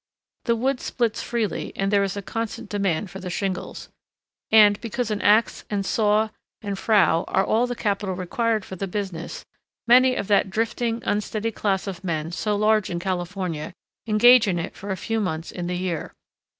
The wood splits freely, and there is a constant demand for the shingles. And because an ax, and saw, and frow are all the capital required for the business, many of that drifting, unsteady class of men so large in California engage in it for a few months in the year.